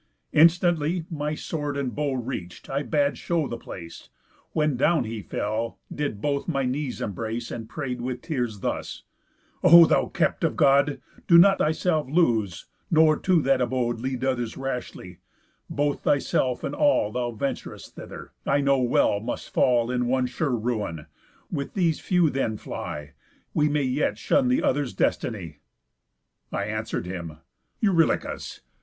Instantly, My sword and bow reach'd, I bad show the place, When down he fell, did both my knees embrace, And pray'd with tears thus: 'O thou kept of God, Do not thyself lose, nor to that abode Lead others rashly; both thyself, and all Thou ventur'st thither, I know well, must fall In one sure ruin. With these few then fly; We yet may shun the others' destiny.' I answer'd him: 'Eurylochus!